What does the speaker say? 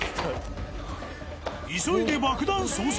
急いで爆弾捜索。